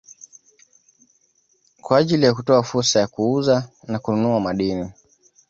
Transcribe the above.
kwa ajili ya kutoa fursa ya kuuza na kununua madini